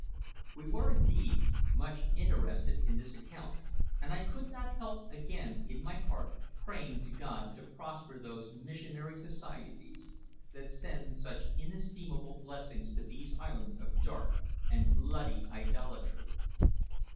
We were indeed much interested in this account, and I could not help again in my heart praying to God to prosper those missionary societies that send such inestimable blessings to these islands of dark and bloody idolatry.